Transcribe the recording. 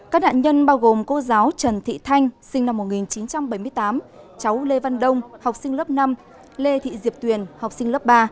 các nạn nhân bao gồm cô giáo trần thị thanh sinh năm một nghìn chín trăm bảy mươi tám cháu lê văn đông học sinh lớp năm lê thị diệp tuyền học sinh lớp ba